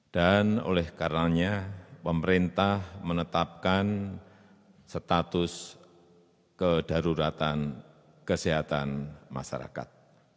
dan oleh karenanya pemerintah menetapkan status kedaruratan kesehatan masyarakat